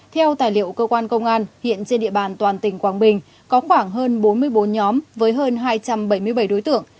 theo tài liệu cơ quan công an hiện trên địa bàn toàn tỉnh quảng bình có khoảng hơn bốn mươi bốn nhóm với hơn hai trăm bảy mươi bảy đối tượng